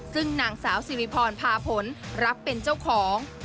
ซึ่งนางสาวสิริพรพาผลรับเป็นเจ้าของ